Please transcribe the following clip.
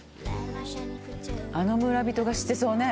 あの村人が知ってそうね。